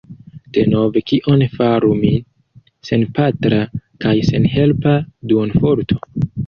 Denove kion faru mi, senpatra kaj senhelpa duonorfo?